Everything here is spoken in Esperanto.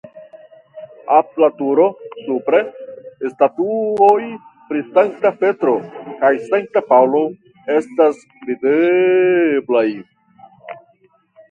Apud la turo (supre) statuoj pri Sankta Petro kaj Sankta Paŭlo estas videblaj.